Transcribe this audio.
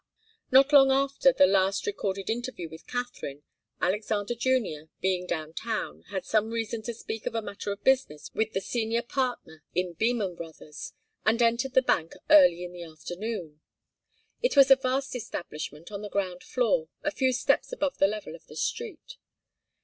Not long after the last recorded interview with Katharine, Alexander Junior, being down town, had some reason to speak of a matter of business with the senior partner in Beman Brothers', and entered the bank early in the afternoon. It was a vast establishment on the ground floor, a few steps above the level of the street.